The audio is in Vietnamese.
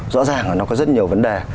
rõ ràng là nó có rất nhiều vấn đề